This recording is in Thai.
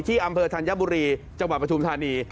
อำเภอธัญบุรีจังหวัดปฐุมธานี